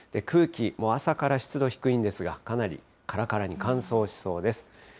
空気、もう朝から湿度低いんですが、かなりからからに乾燥しそうです。